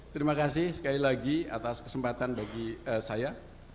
terima kasih sekali lagi atas kesempatan bagi saya